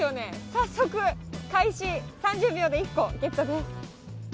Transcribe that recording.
早速、開始３０秒で１個ゲットです。